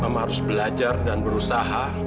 memang harus belajar dan berusaha